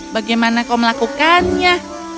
bagaimana kau melakukannya